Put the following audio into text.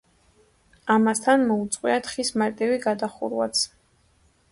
ამასთან მოუწყვიათ ხის მარტივი გადახურვაც.